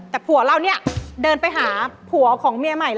แต่ผัวเราเนี่ยเดินไปหาผัวของเมียใหม่